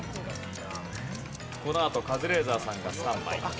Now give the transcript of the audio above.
このあとカズレーザーさんがスタンバイ。